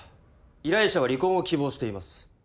依頼者は離婚を希望しています。